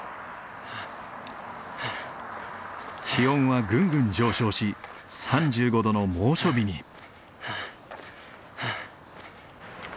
気温はぐんぐん上昇し３５度の猛暑日に。